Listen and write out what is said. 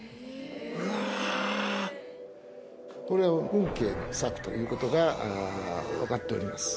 これは運慶の作ということが分かっております。